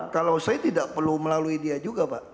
kalau saya tidak perlu melalui dia juga pak